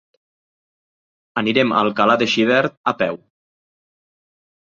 Anirem a Alcalà de Xivert a peu.